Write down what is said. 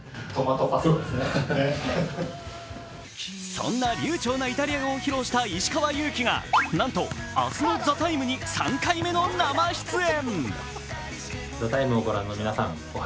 そんな流ちょうなイタリア語を披露した石川祐希がなんと、明日の「ＴＨＥＴＩＭＥ，」に３回目の生出演。